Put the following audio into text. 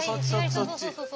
そうそうそうそう。